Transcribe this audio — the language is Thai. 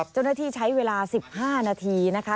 เจ้าหน้าที่ใช้เวลา๑๕นาทีนะคะ